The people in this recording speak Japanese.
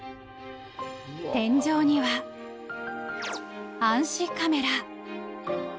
［天井には暗視カメラ］